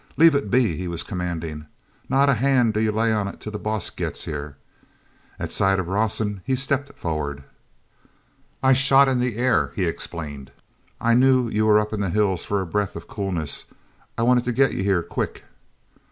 "L'ave it be," he was commanding. "Not a hand do ye lay on it till the boss gets here." At sight of Rawson he stepped forward. "I shot in the air," he explained. "I knew ye were up in the hills for a breath of coolness. I wanted to get ye here quick."